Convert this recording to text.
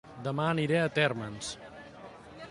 Dema aniré a Térmens